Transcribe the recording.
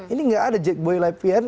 ini nggak ada jack boy lapian